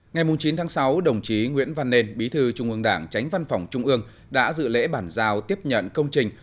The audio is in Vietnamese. ngày chín tháng sáu đồng chí nguyễn văn nền bí thư trung ương đảng tránh văn phòng trung ương đã dự lễ bản giao tiếp nhận công trình